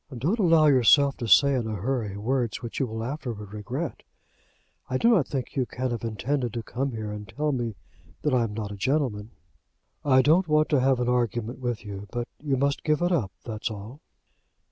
"Don't allow yourself to say in a hurry words which you will afterwards regret. I do not think you can have intended to come here and tell me that I am not a gentleman." "I don't want to have an argument with you; but you must give it up; that's all."